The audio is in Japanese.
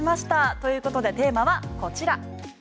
ということでテーマはこちら。